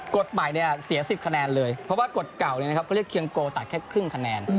กฎหมายเนี่ยเสีย๑๐คะแนนเลยเพราะว่ากฎเก่าเขาเรียกเคียงโกตัดแค่ครึ่งคะแนน